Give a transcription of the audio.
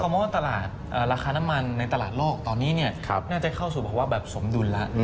เขาบอกว่าราคาน้ำมันในตลาดโลกตอนนี้เนี่ยน่าจะเข้าสู่ภาวะแบบสมดุลละ